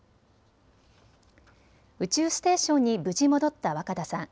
宇宙ステーションに無事、戻った若田さん。